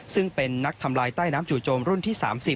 ซึ่งเป็นนักทำลายใต้น้ำจู่โจมรุ่นที่๓๐